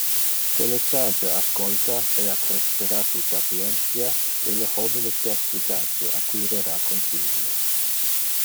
Que le sage ascolta e accrescera su sapientia, e le homine perspicace acquirera consilio.